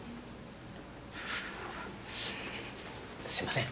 すいません